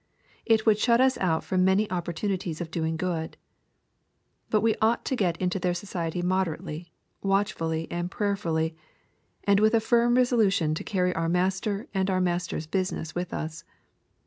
It would shut us out from many opportunities of doing good. But we ought to go into their society moderately, watchfully, and prayerfully, and with a firm resolution to carry our Master and our Master's business with us.